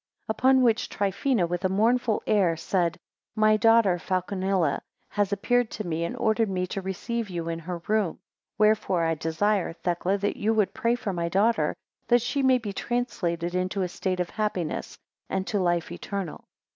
6 Upon which Trifina, with a mournful air, said, My daughter Falconilla has appeared to me, and ordered me to receive you in her room; wherefore I desire, Thecla, that you would pray for my daughter, that she may be translated into a state of happiness, and to life eternal.